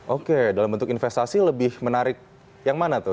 oke dalam bentuk investasi lebih menarik yang mana tuh